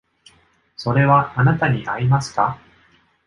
それはあなたに合いますか？